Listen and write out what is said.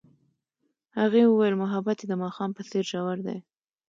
هغې وویل محبت یې د ماښام په څېر ژور دی.